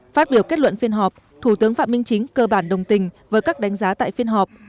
phát biểu kết luận phiên họp thủ tướng phạm minh chính cơ bản đồng tình với các đánh giá tại phiên họp